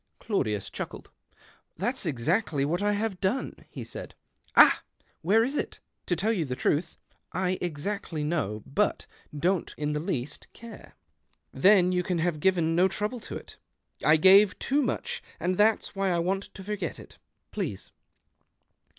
Claudius chuckled. " That's just exactly ivhat I have done," he said. " Ah ! Where is it ?"" To tell you the truth, I exactly know l)ut don't in the least care." 154 THE OCTAVE OF CLAUDIUS. " Then you can have given no trouble to it." "I gave too much, and that's why I want to forget it, please."